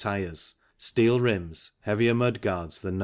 tyres, steel rims, heavier mudguards than No.